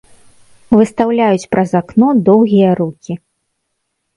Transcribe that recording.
Выстаўляюць праз акно доўгія рукі.